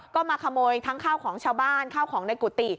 ก็มาขโมยทั้งข้าวของชาวบ้านข้าวของในกุฏิ